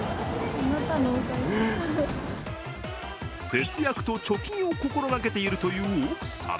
節約と貯金を心掛けているという奥さん。